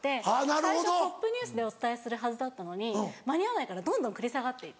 最初トップニュースでお伝えするはずだったのに間に合わないからどんどん繰り下がって行って。